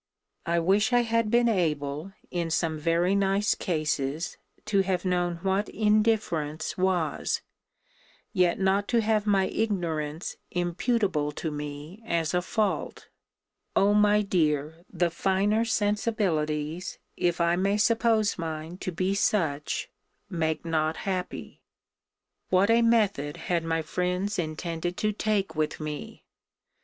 I wish I had been able, in some very nice cases, to have known what indifference was; yet not to have my ignorance imputable to me as a fault. Oh! my dear! the finer sensibilities, if I may suppose mine to be such, make not happy. What a method had my friends intended to take with me!